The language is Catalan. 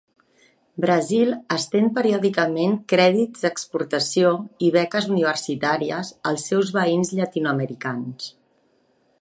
Brasil estén periòdicament crèdits d'exportació i beques universitàries als seus veïns llatinoamericans.